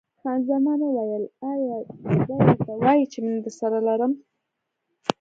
خان زمان وویل: ایا دی ورته وایي چې مینه درسره لرم؟